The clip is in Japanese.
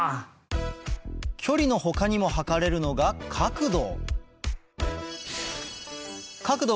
距離の他にも測れるのが角度